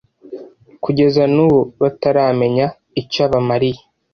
kugeza nubu bataramenya icyo abamariye